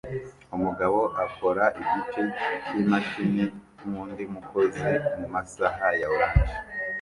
Umugabo akora igice cyimashini nkundi mukozi mumasaha ya orange